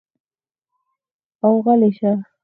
او غلے شۀ ـ